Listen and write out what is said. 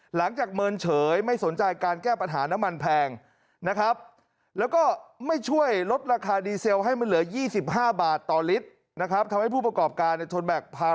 เมินเฉยไม่สนใจการแก้ปัญหาน้ำมันแพงนะครับ